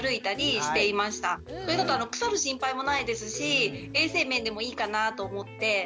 それだと腐る心配もないですし衛生面でもいいかなと思って。